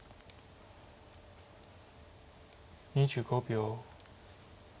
２５秒。